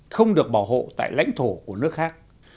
không được bảo hộ tại lãnh thổ của nước khác